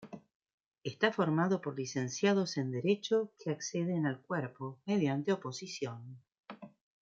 Está formado por licenciados en Derecho que acceden al Cuerpo mediante oposición.